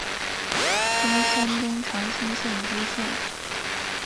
官山东长清县知县。